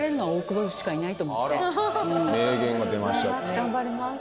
頑張ります。